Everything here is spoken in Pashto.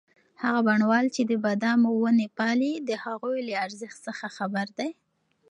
هغه بڼوال چې د بادامو ونې پالي د هغوی له ارزښت څخه خبر دی.